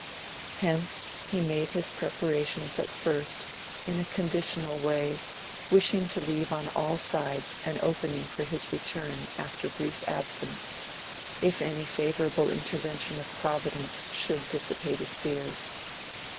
Hence he made his preparations at first in a conditional way, wishing to leave on all sides an opening for his return after brief absence, if any favorable intervention of Providence should dissipate his fears.